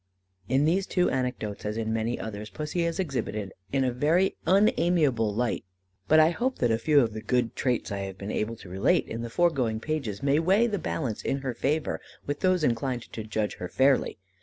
In these two anecdotes, as in many others, Pussy is exhibited in a very unamiable light; but I hope that a few of the good traits I have been able to relate in the foregoing pages may weigh the balance in her favour with those inclined to judge her fairly.